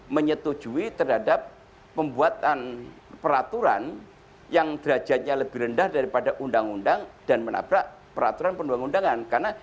menyetujui terhadap pembuatan peraturan yang derajatnya lebih rendah daripada undang undang dan menabrak peraturan perundang undangan